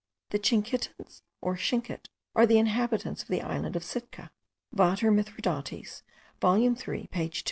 The Tchinkitans, or Schinkit, are the inhabitants of the island of Sitka. Vater Mithridates volume 3 page 2.